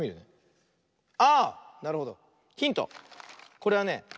これはね